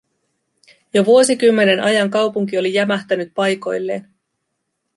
Jo vuosikymmenen ajan kaupunki oli jämähtänyt paikoilleen.